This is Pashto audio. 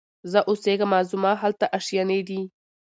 زه اوسېږمه زما هلته آشیانې دي